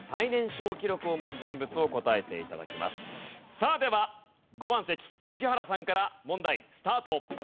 さあでは５番席宇治原さんから問題スタート。